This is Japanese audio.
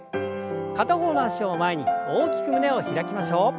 片方の脚を前に大きく胸を開きましょう。